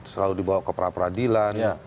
selalu dibawa ke peradilan